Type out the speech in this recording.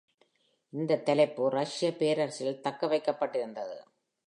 இந்த தலைப்பு ரஷ்ய பேரரசில் தக்கவைக்கப்பட்டிருந்தது.